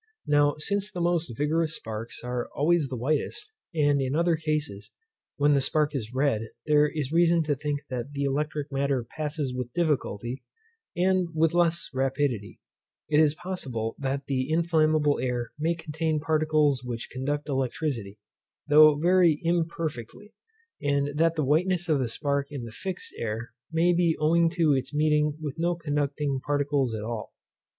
Now, since the most vigorous sparks are always the whitest, and, in other cases, when the spark is red, there is reason to think that the electric matter passes with difficulty, and with less rapidity: it is possible that the inflammable air may contain particles which conduct electricity, though very imperfectly; and that the whiteness of the spark in the fixed air, may be owing to its meeting with no conducting particles at all.